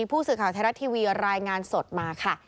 ผู้สื่อข่าวไทยรัฐทีวีรายงานสดมาค่ะ